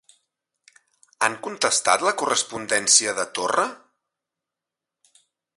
Han contestat la correspondència de Torra?